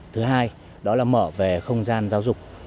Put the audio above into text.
thứ hai đó là mở về không gian giáo dục